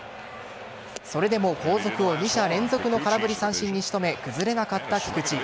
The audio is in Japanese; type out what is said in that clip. それでも後続を２者連続の空振り三振に仕留め崩れなかった菊池。